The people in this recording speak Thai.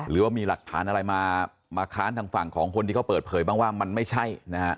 หรือว่ามีหลักฐานอะไรมาค้านทางฝั่งของคนที่เขาเปิดเผยบ้างว่ามันไม่ใช่นะฮะ